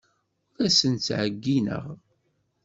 Ur asen-ttɛeyyineɣ.